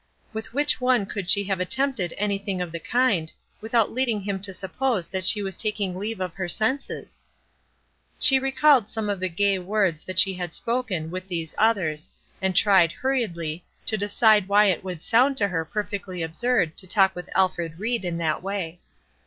With which one could she have attempted any thing of the kind, without leading him to suppose that she was taking leave of her senses? She recalled some of the gay words that she had spoken with these others, and tried, hurriedly, to decide why it would sound to her perfectly absurd to talk with Alfred Ried in that way.